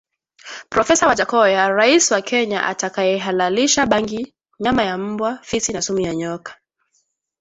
Profesa Wajackoya Rais wa Kenya atakayehalalisha bangi nyama ya mbwa fisi na sumu ya nyoka